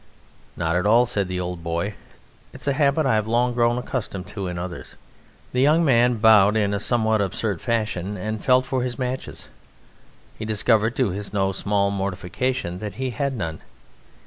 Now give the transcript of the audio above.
"Not at all," said the old boy; "it is a habit I have long grown accustomed to in others." The young man bowed in a somewhat absurd fashion and felt for his matches. He discovered to his no small mortification that he had none.